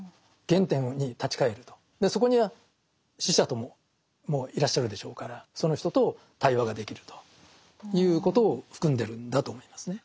そこには死者ともいらっしゃるでしょうからその人と対話ができるということを含んでるんだと思いますね。